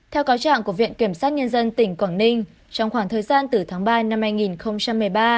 theo cáo trạng của viện kiểm sát nhân dân tỉnh quảng ninh trong khoảng thời gian từ tháng ba năm hai nghìn một mươi ba